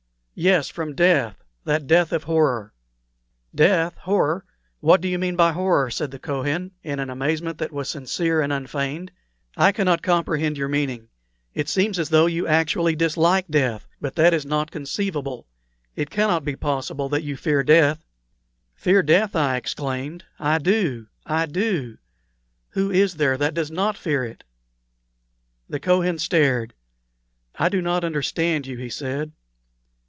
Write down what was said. "Yes, from death that death of horror." "Death? horror? What do you mean by horror?" said the Kohen, in an amazement that was sincere and unfeigned. "I cannot comprehend your meaning. It seems as though you actually dislike death; but that is not conceivable. It cannot be possible that you fear death." "Fear death!" I exclaimed, "I do I do. Who is there that does not fear it?" The Kohen stared. "I do not understand you," he said.